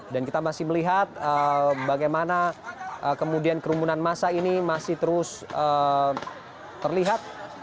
dan kita masih melihat bagaimana kemudian kerumunan masa ini masih terus terlihat